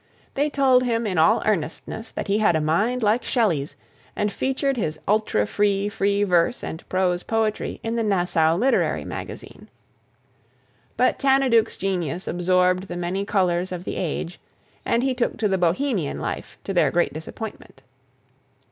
They told him in all earnestness that he had a mind like Shelley's, and featured his ultrafree free verse and prose poetry in the Nassau Literary Magazine. But Tanaduke's genius absorbed the many colors of the age, and he took to the Bohemian life, to their great disappointment.